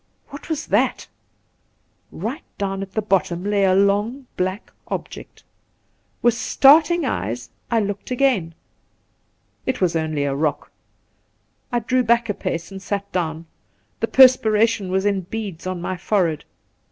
what was that ? Eight down at the bottom lay a long black object. With starting eyes I looked again. It was only a rock. I drew back a pace and sat down. The perspiration was in beads on my fore head.